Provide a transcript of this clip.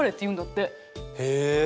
へえ。